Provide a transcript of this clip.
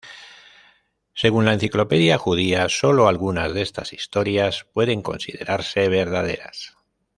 Según la Enciclopedia Judía, solo algunas de estas historias pueden considerarse verdaderas.